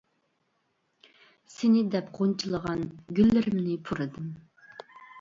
سېنى دەپ غۇنچىلىغان، گۈللىرىمنى پۇرىدىم.